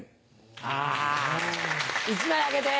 あ１枚あげて。